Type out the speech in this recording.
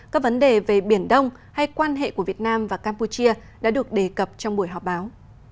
các vấn đề về biển đông hay quan hệ của việt nam và campuchia đã được đề cập trong buổi họp báo